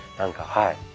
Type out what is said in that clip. はい。